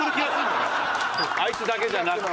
あいつだけじゃなくて。